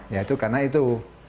yaitu karena itu